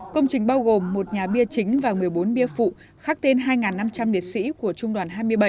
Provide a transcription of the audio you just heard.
công trình bao gồm một nhà bia chính và một mươi bốn bia phụ khác tên hai năm trăm linh liệt sĩ của trung đoàn hai mươi bảy